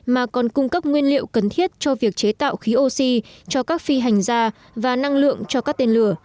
mà còn cung cấp nguyên liệu cần thiết cho việc chế tạo khí oxy cho các phi hành da và năng lượng cho các tên lửa